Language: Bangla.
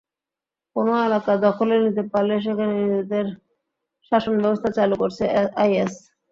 কোনো এলাকা দখলে নিতে পারলে সেখানে নিজেদের শাসনব্যবস্থা চালু করছে আইএস।